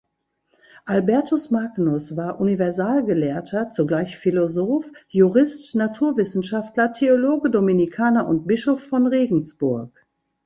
Albertus Magnus war Universalgelehrter, zugleich Philosoph, Jurist, Naturwissenschaftler, Theologe, Dominikaner und Bischof von Regensburg.